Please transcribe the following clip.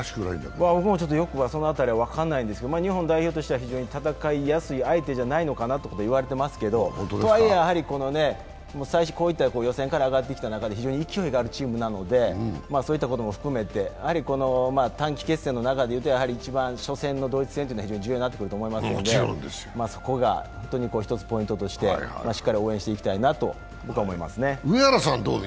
ちょっとよくその辺りは分からないんですが、日本代表としては戦いやすい相手じゃないかとは言われてますけど、でもやはりこういった予選から上がってきた中で勢いがあるチームなのでそういったことも含めて短期決戦の中でいくと、一番初戦のドイツ戦は非常に重要になってくると思いますのでそこが一つポイントとしてしっか応援していきたいと思いますね。